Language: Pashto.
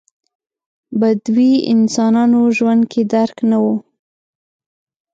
بدوي انسانانو ژوند کې درک نه و.